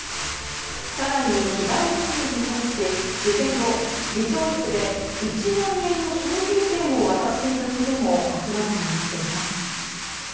更に、被害女性に対し事件後、議長室で１万円の商品券を渡していたことも明らかになっています。